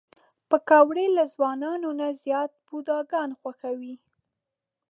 پکورې له ځوانانو نه زیات بوډاګان خوښوي